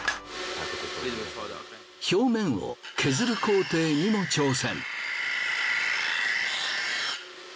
表面を削る工程にも挑戦。